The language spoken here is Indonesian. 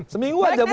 seminggu aja bu gitu